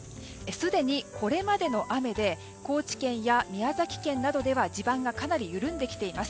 すでにこれまでの雨で高知県や宮崎県などでは地盤がかなり緩んできています。